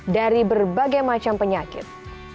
dari berbagai macam penyakit